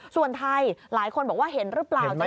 ส่วนไทยหลายคนบอกว่าเห็นหรือเปล่า